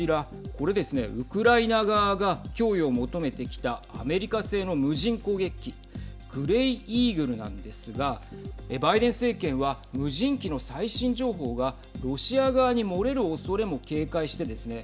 これですねウクライナ側が供与を求めてきたアメリカ製の無人攻撃機グレイ・イーグルなんですがバイデン政権は無人機の最新情報がロシア側に漏れるおそれも警戒してですね